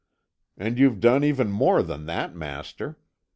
And you've done even more than that, master.